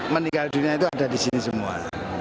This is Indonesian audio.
meninggal dunia itu ada di sini semua